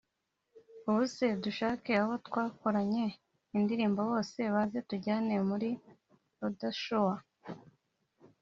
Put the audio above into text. Ubuse dushake abo twakoranye indirimbo bose baze tujyane muri Raodshows